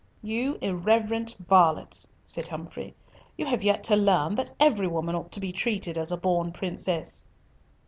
"You irreverent varlets," said Humfrey, "you have yet to learn that every woman ought to be treated as a born princess."